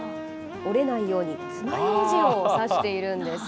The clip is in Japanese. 折れないようにつまようじをさしているんです。